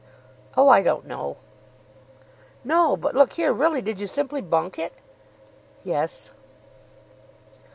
"Oh, I don't know." "No, but, look here, really. Did you simply bunk it?" "Yes."